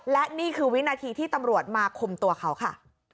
และนี่คือวินาทีที่ตำรวจมาคุมตัวเขาค่ะ